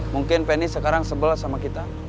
mungkin penny sekarang sebel sama kita